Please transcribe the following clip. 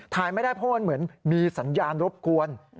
ไม่ได้เพราะมันเหมือนมีสัญญาณรบกวน